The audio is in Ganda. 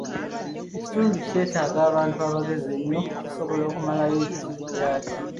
Ekitundu kyetaaga abantu abagezi ennyo okusobola okumalawo ebizibu byakyo.